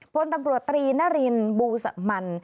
พลตำรวจตรีนารินบูสมัน